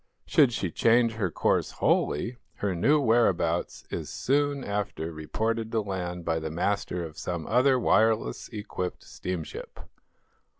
Should she change her course wholly, her new whereabouts is soon after reported to land by the master of some other wireless equipped steamship.